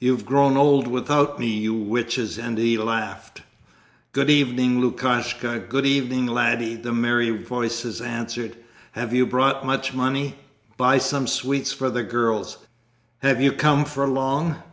'You've grown old without me, you witches!' and he laughed. 'Good evening, Lukashka! Good evening, laddie!' the merry voices answered. 'Have you brought much money? Buy some sweets for the girls! ... Have you come for long?